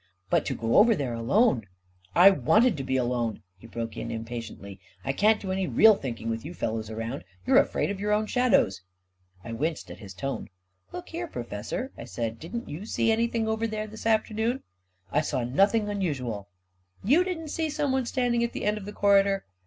41 But to go over there alone ..."" I wanted to be alone," he broke in, impatiently. 41 1 can't do any real thinking with you fellows around. You're afraid of your own shadows !" I winced at his tone. 44 Look here, Professor," I said, 4I didn't you see anything over there this afternoon? " 44 1 saw nothing unusual." 44 You didn't see someone standing at the end of the corridor?"